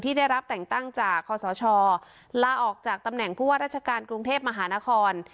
ได้รับแต่งตั้งจากคอสชลาออกจากตำแหน่งผู้ว่าราชการกรุงเทพมหานคร